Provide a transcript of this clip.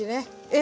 え